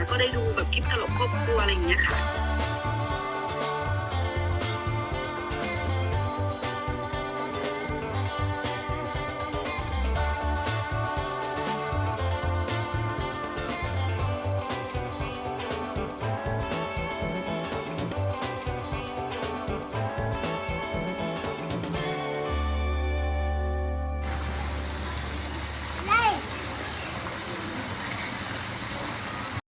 ก็ได้ดูแบบคลิปตลกครอบครัวอะไรอย่างนี้ค่ะ